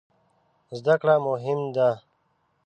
زده کړه مهم ده